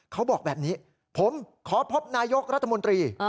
เขาบอกแบบนี้ผมขอพบนายกรัฐมนตรี